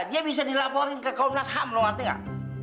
dia bisa dilaporin ke komnas ham lo ngerti nggak